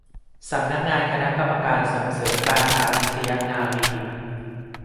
สำนักงานคณะกรรมการส่งเสริมการพาณิชยนาวี